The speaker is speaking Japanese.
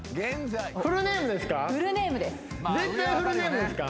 絶対フルネームですか？